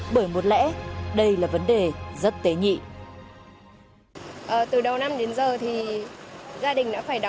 bởi một lẽ đây là vấn đề rất tế nhị